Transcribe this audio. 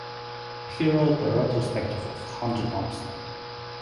He wrote a retrospective of Hunter Thompson.